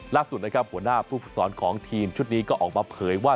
ล่าสุดนะครับหัวหน้าผู้ฝึกสอนของทีมชุดนี้ก็ออกมาเผยว่า